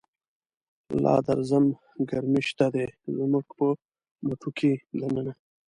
لادرزم ګرمی شته دی، زموږ په مټوکی دننه